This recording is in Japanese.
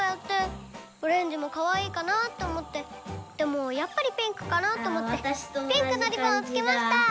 オレンジもかわいいかなって思ってでもやっぱりピンクかなって思ってピンクのリボンをつけました！